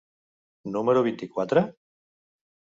número vint-i-quatre?